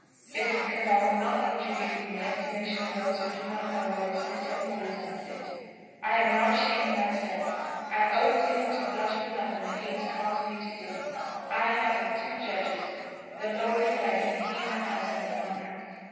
It is because I will not injure you in the estimation of those who do not know what is fit and what is unfit. I am not ashamed of myself. I owe it to him to blush for nothing that he has caused me to do. I have but two judges, the Lord in heaven, and he, my husband, upon earth."